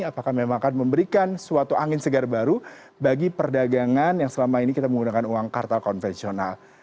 apakah memang akan memberikan suatu angin segar baru bagi perdagangan yang selama ini kita menggunakan uang kartal konvensional